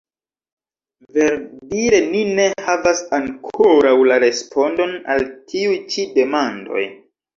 Ver-dire ni ne havas ankoraŭ la respondon al tiuj ĉi demandoj.